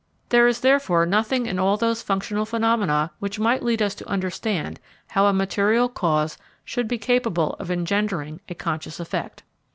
There is therefore nothing in all those functional phenomena which might lead us to understand how a material cause should be capable of engendering a conscious effect.